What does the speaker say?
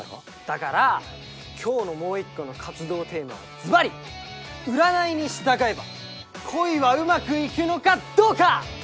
だから今日のもう一個の活動テーマはズバリ占いに従えば恋はうまくいくのかどうか！